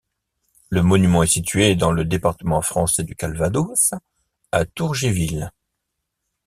Le monument est situé dans le département français du Calvados, à Tourgéville.